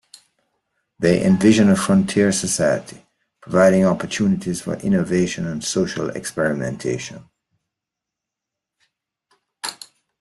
They envision a frontier society, providing opportunities for innovation and social experimentation.